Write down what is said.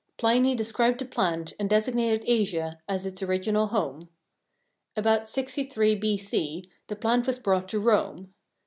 Pliny described the plant and designated Asia as its original home. About 63 B. C. the plant was brought to Rome.